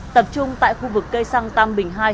tập trung tại khu vực cây xăng tam bình hai